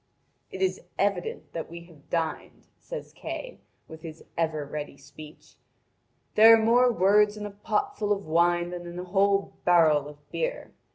"It is evident that we have dined," says Kay, with his ever ready speech; "there are more words in a pot full of wine than in a whole barrel of beer.